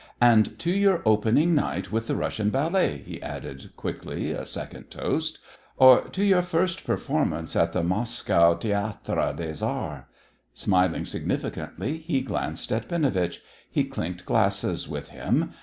"And to your opening night with the Russian ballet," he added quickly a second toast, "or to your first performance at the Moscow Théâtre des Arts!" Smiling significantly, he glanced at Binovitch; he clinked glasses with him.